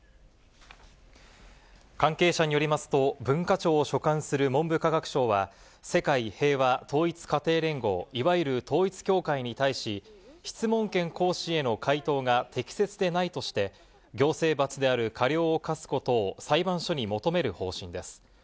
関係者によりますと、文化庁を所管する文部科学省は、世界平和統一家庭連合、いわゆる統一教会に対し、質問権行使への回答が適切でないとして、行政罰である過料を科すことを裁判所に求める方針です。